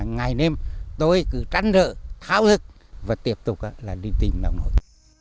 ngày nêm tôi cứ trăn rợ tháo thức và tiếp tục là đi tìm đồng đội